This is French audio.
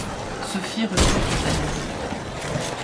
Sophie refuse l'euthanasie.